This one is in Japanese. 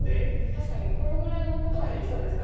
確かにこのぐらいのことはできそうですか。